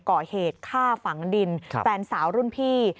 ก่อเหตุฆ่าฝังดินแฟนสาวรุ่นพี่